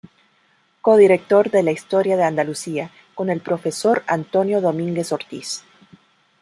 Co-director de la "Historia de Andalucía" con el profesor Antonio Domínguez Ortiz.